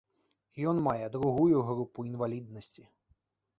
Ён мае другую групу інваліднасці.